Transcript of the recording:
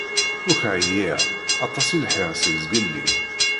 Uk ɛyiɣ, aṭas i lḥiɣ seg zgelli.